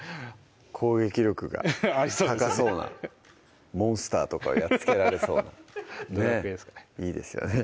攻撃力が高そうなモンスターとかやっつけられそうハハハハ「ドラクエ」ですかねいいですよね